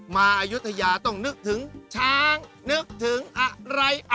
อายุทยาต้องนึกถึงช้างนึกถึงอะไร